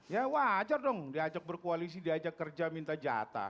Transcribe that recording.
ya wajar dong diajak berkoalisi diajak kerja minta jatah